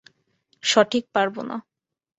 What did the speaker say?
সঠিক পারবো না।